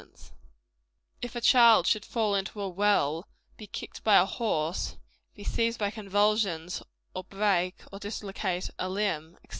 and xxvi] if a child should fall into a well, be kicked by a horse, be seized by convulsions, or break or dislocate a limb, &c.